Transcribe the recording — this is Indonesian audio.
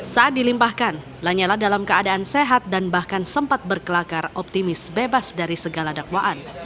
saat dilimpahkan lanyala dalam keadaan sehat dan bahkan sempat berkelakar optimis bebas dari segala dakwaan